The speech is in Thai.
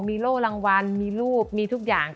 มีโล่รางวัลมีรูปมีทุกอย่าง